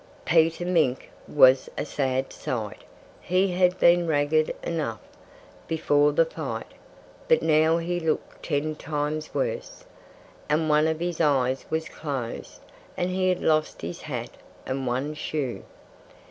Peter Mink was a sad sight. He had been ragged enough, before the fight. But now he looked ten times worse. And one of his eyes was closed. And he had lost his hat, and one shoe.